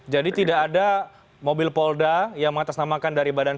jadi tidak ada mobil polda yang mengatasnamakan